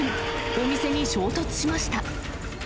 お店に衝突しました。